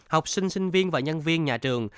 học sinh sinh viên và nhân viên nhà trường